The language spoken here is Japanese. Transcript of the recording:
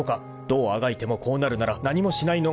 どうあがいてもこうなるなら何もしないのが一番だ］